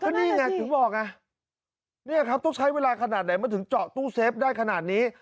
นี่ไงถึงบอกไงเนี่ยครับต้องใช้เวลาขนาดไหนมันถึงเจาะตู้เซฟได้ขนาดนี้